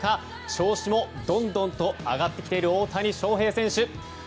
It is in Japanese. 調子もどんどんと上がってきている大谷翔平選手。